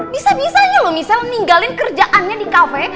bisa bisanya loh miss l ninggalin kerjaannya di cafe